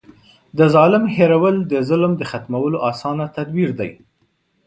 د ظالم هېرول د ظلم د ختمولو اسانه تدبير دی.